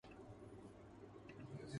کیا کبھی ان کو سیراب کرنے کیلئے کچھ سامان کیا